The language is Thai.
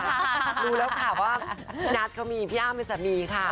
มีผู้ชายชายชื่อที่นัทก็มีพี่อ้ำเป็นสามีข้ากัน